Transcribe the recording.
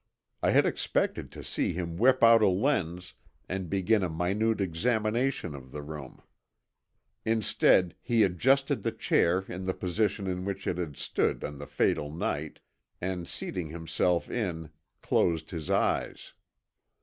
I had expected to see him whip out a lens and begin a minute examination of the room. Instead he adjusted the chair in the position in which it had stood on the fatal night, and seating himself in, closed his eyes.